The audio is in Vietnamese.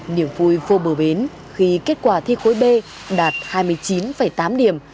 niềm vui vô bờ bến khi kết quả thi khối b đạt hai mươi chín tám điểm